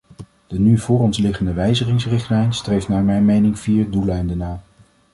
De nu voor ons liggende wijzigingsrichtlijn streeft naar mijn mening vier doeleinden na.